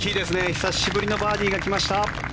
久しぶりのバーディーが来ました。